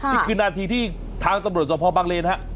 นี่คือนาทีที่ทางตำรวจสภบางเลนฮะ